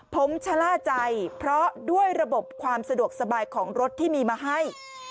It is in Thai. ผมชะล่าใจเพราะด้วยระบบความสะดวกสบายของรถที่มีมาให้